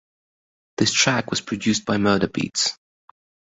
The track was produced by Murda Beatz.